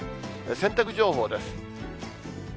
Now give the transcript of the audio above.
洗濯情報です。